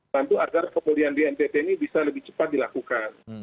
bantu agar kemudian di ntt ini bisa lebih cepat dilakukan